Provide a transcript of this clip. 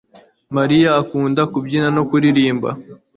Mariya akunda kubyina no kuririmba